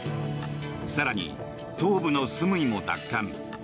更に、東部のスムイも奪還。